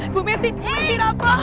bu messi bu messi rafa